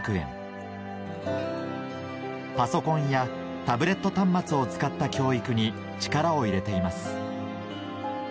パソコンやタブレット端末を使った教育に力を入れています